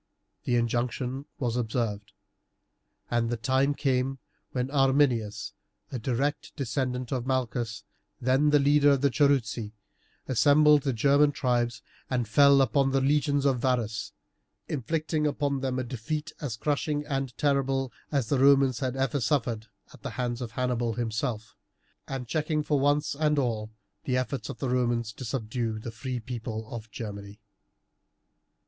The injunction was observed, and the time came when Arminius, a direct descendant of Malchus, then the leader of the Cherusei, assembled the German tribes and fell upon the legions of Varus, inflicting upon them a defeat as crushing and terrible as the Romans had ever suffered at the hands of Hannibal himself, and checking for once and all the efforts of the Romans to subdue the free people of Germany.